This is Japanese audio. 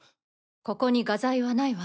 ここに画材はないわ。